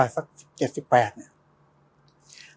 สัก๗๘เนี่ย